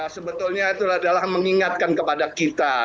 sebetulnya itu adalah mengingatkan kepada kita